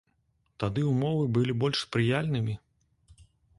Тады ўмовы былі больш спрыяльнымі?